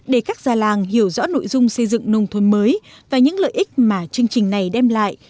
để các già làng hiểu rõ nội dung xây dựng nông thôn mới và những lợi ích mà chương trình này đem lại